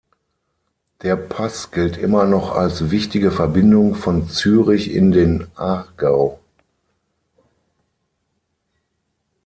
Der Pass gilt immer noch als wichtige Verbindung von Zürich in den Aargau.